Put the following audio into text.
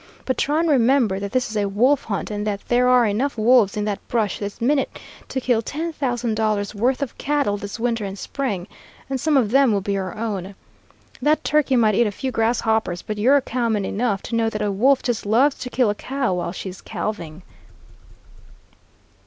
But try and remember that this is a wolf hunt, and that there are enough wolves in that brush this minute to kill ten thousand dollars' worth of cattle this winter and spring, and some of them will be your own. That turkey might eat a few grasshoppers, but you're cowman enough to know that a wolf just loves to kill a cow while she's calving."